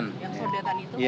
yang sodetan itu